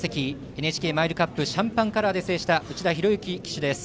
ＮＨＫマイルカップシャンパンカラーで制した内田博幸騎手です。